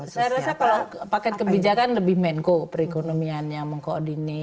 saya rasa kalau paket kebijakan lebih menko perekonomian yang mengkoordini